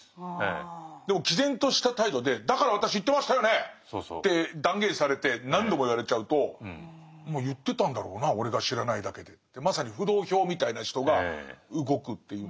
でも毅然とした態度で「だから私言ってましたよね」って断言されて何度も言われちゃうと「まあ言ってたんだろうな俺が知らないだけで」ってまさに浮動票みたいな人が動くというのは何か分かる。